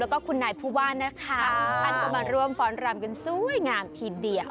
แล้วก็คุณนายผู้ว่านะคะท่านก็มาร่วมฟ้อนรำกันสวยงามทีเดียว